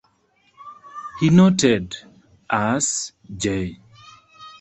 He noted, as J.